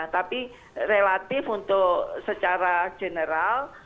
tapi relatif untuk secara general